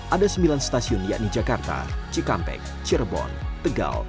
ada sembilan stasiun yakni jakarta cikampek cirebon tegal